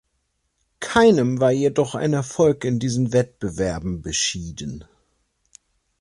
Keinem war jedoch ein Erfolg in diesen Wettbewerben beschieden.